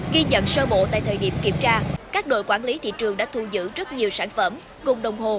ghi nhận sơ bộ tại thời điểm kiểm tra các đội quản lý thị trường đã thu giữ rất nhiều sản phẩm gồm đồng hồ